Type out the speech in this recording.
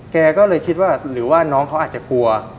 แกก็เลยคิดว่าหรือว่าน้องเขาอาจจะกลัว